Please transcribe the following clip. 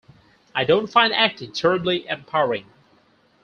I don't find acting terribly empowering.